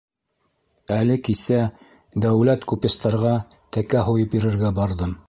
Әле кисә Дәүләт купецтарға тәкә һуйып бирергә барҙым.